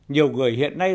nhiều người hiện nay